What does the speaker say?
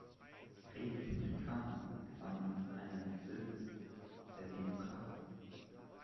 Die Republikaner gewannen einen Sitz der Demokraten.